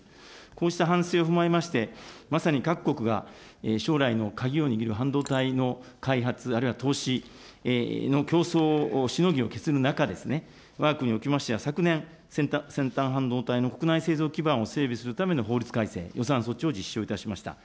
こうした反省を踏まえまして、まさに各国が将来の鍵を握る半導体の開発、あるいは投資の競争、しのぎを削る中ですね、わが国におきましては昨年、先端半導体の国内製造基盤を整備するための法律改正、予算措置を実施をいたしました。